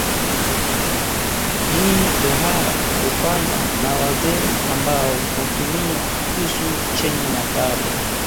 Hii tohara hufanywa na wazee ambao hutumia kisu chenye makali